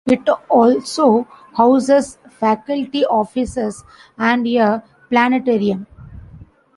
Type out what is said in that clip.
It also houses faculty offices and a planetarium.